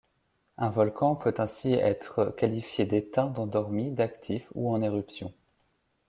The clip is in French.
Un volcan peut ainsi être qualifié d'éteint, d'endormi, d'actif ou en éruption.